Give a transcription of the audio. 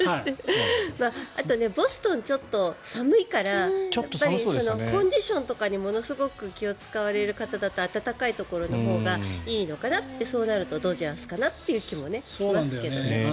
あとボストンちょっと寒いからコンディションとかにものすごく気を使われる方だと暖かいところのほうがいいのかなってそうなるとドジャースかなって気もしますけどね。